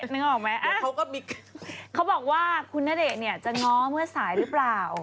นึกออกไหมเขาก็มีเขาบอกว่าคุณณเดชน์เนี่ยจะง้อเมื่อสายหรือเปล่า